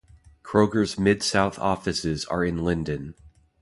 Kroger's Mid-South offices are in Lyndon.